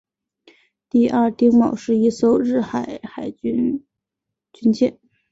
第二丁卯是一艘日本海军军舰。